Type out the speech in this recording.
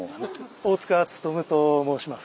大塚勉と申します。